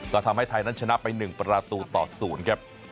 ก็ทำให้ไทยนั้นชนะไป๑ประตูต่อ๐ครับ